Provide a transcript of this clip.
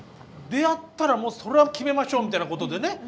出会ったらもうそれは決めましょうみたいなことでね